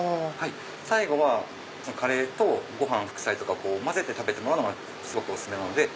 最後はカレーとご飯副菜とか混ぜて食べるのがお勧めなので。